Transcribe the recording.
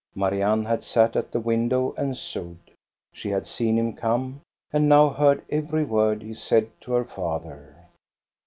Marianne had sat at the window and sewed. She had seen him come, and now heard every word he said to her father.